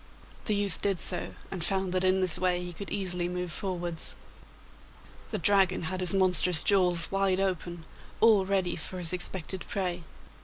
The youth did so, and found that in this way he could easily move forwards. The Dragon had his monstrous jaws wide open, all ready for his expected prey.